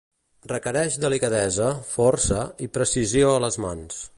requereix delicadesa, força i precisió a les mans